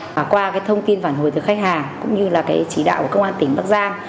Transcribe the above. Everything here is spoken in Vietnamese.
và qua cái thông tin phản hồi từ khách hàng cũng như là cái chỉ đạo của công an tỉnh bắc giang